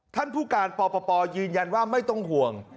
ท่านผู้การปปยืนยันว่าไม่ต้องห่วง